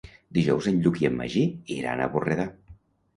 Dijous en Lluc i en Magí iran a Borredà.